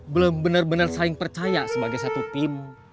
belum bener bener saling percaya sebagai satu tim